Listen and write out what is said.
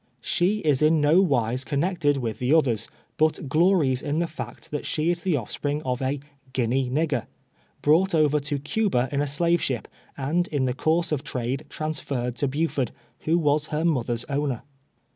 She is in no wise connected Avith the others, but glories in the fact that' she is the offspring of a "Guinea nigger," brought over to Cuba iu a slave sbij>, and in the course of trade transferred to Buford, who was her mother's owner.